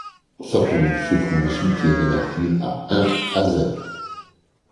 Sa tombe se trouve au cimetière des martyrs à Ain Azel.